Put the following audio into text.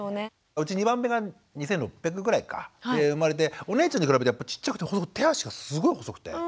うち２番目が２，６００ぐらいかで生まれてお姉ちゃんに比べてやっぱちっちゃくてほんと手足がすごい細くて。